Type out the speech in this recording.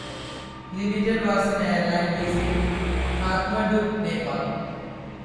Limited was an airline based in Kathmandu, Nepal.